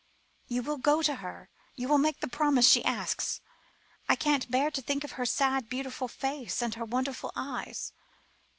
You will go to her? You will make the promise she asks? I can't bear to think of her sad, beautiful face, and her wonderful eyes."